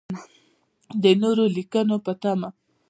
د نورو لیکنو په تمه.